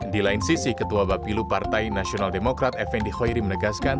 di lain sisi ketua bapilu partai nasional demokrat fnd hoiri menegaskan